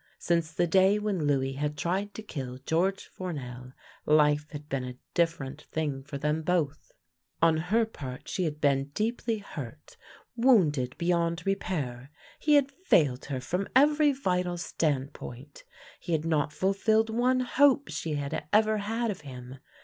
Since the day when Louis had tried to kill George Fournel, life had been a different thing for them both. On her part she had been deeply hurt; wounded beyond repair. He had failed her from every vital stand point; he had not fulfilled one hope she had ever had of him.